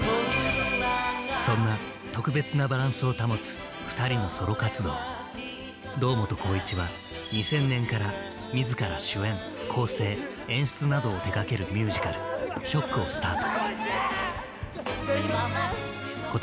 そんな特別なバランスを保つ堂本光一は２０００年から自ら主演・構成・演出などを手がけるミュージカル「ＳＨＯＣＫ」をスタート。